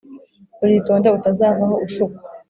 Uritonde, utazavaho ushukwa,